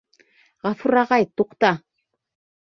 Ғәфүр ағай, туҡта!